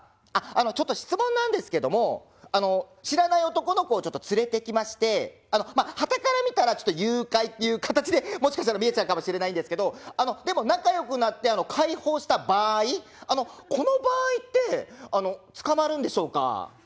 あのちょっと質問なんですけども知らない男の子をちょっと連れてきましてまあはたから見たら誘拐っていう形でもしかしたら見えちゃうかもしれないんですけどでも仲よくなって解放した場合この場合って捕まるんでしょうか？